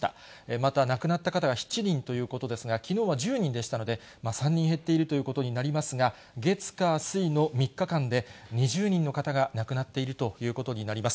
また、亡くなった方が７人ということですが、きのうは１０人でしたので、３人減っているということになりますが、月、火、水の３日間で、２０人の方が亡くなっているということになります。